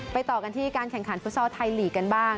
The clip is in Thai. ไปต่อกันที่การแข่งขันทุกทุ่มไทยหลีกันบ้าง